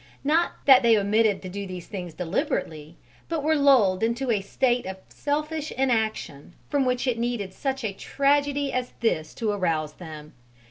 Not that they omitted to do these things deliberately, but were lulled into a state of selfish inaction from which it needed such a tragedy as this to arouse them.